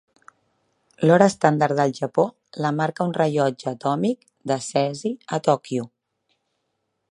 L'hora estàndard del Japó la marca un rellotge atòmic de cesi a Tòquio.